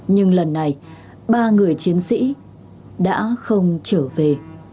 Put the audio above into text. nhưng lần này ba người chiến sĩ đã không trở về